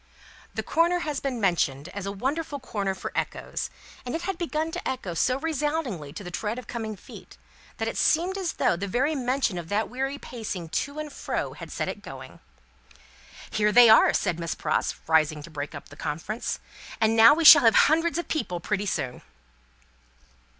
The corner has been mentioned as a wonderful corner for echoes; it had begun to echo so resoundingly to the tread of coming feet, that it seemed as though the very mention of that weary pacing to and fro had set it going. "Here they are!" said Miss Pross, rising to break up the conference; "and now we shall have hundreds of people pretty soon!"